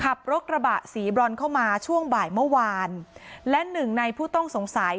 ขับรถกระบะสีบรอนเข้ามาช่วงบ่ายเมื่อวานและหนึ่งในผู้ต้องสงสัย